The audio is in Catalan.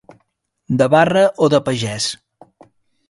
De barra o de pagès.